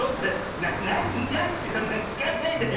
なにってそんなきかないでよ。